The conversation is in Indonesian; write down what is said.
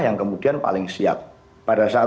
yang kemudian paling siap pada saat